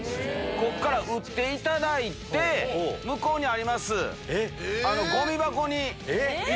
こっから打っていただいて向こうにあります。